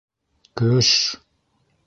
Кө-ө-ш!